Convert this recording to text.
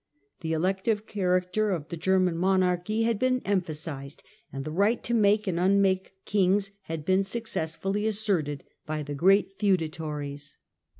The elective character of the German monarchy had been emphasized and the right to make and unmake kings had been successfully asserted by the great feudatories.